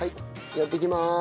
やっていきます。